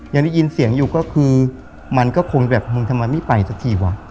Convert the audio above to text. ยังได้ยินเสียงอยู่ก็คือมันก็คงแบบมึงทำไมไม่ไปสักทีวะ